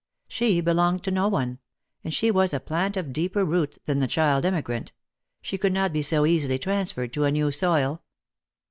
She belonged to no one ; and she was a plant of deeper root than the child emigrant; she could not be so easily transferred to a new soil.